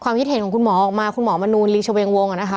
คิดเห็นของคุณหมอออกมาคุณหมอมนูลลีชเวงวงนะคะ